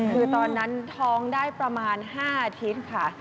คือตอนนั้นท้องได้ประมาณ๕อาทิตย์ค่ะ